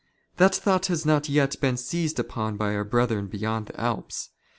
That thought has not yet '' been seized upon by our brethren beyond the Alps.